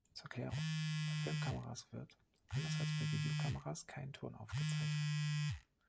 Zur Klärung: Bei Filmkameras wird, anders als bei Videokameras, kein Ton aufgezeichnet.